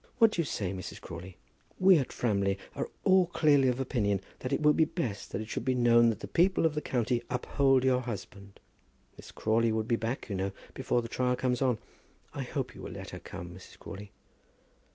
What do you say, Mrs. Crawley? We at Framley are all clearly of opinion that it will be best that it should be known that the people in the county uphold your husband. Miss Crawley would be back, you know, before the trial comes on. I hope you will let her come, Mrs. Crawley?"